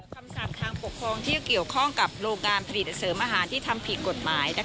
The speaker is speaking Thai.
คำสั่งทางปกครองที่เกี่ยวข้องกับโรงการผลิตเสริมอาหารที่ทำผิดกฎหมาย